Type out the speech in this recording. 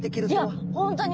いや本当に。